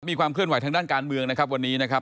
มีความเคลื่อนไหวทางด้านการเมืองนะครับวันนี้นะครับ